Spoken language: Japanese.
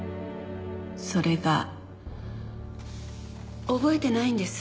それが覚えてないんです。